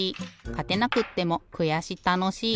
かてなくってもくやしたのしい。